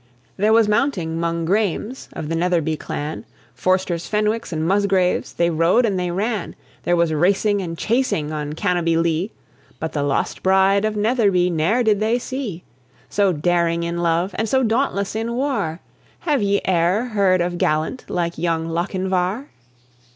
There was mounting 'mong Græmes of the Netherby clan; Forsters, Fenwicks, and Musgraves, they rode and they ran: There was racing and chasing, on Cannobie Lee, But the lost bride of Netherby ne'er did they see. So daring in love, and so dauntless in war, Have ye e'er heard of gallant like young Lochinvar?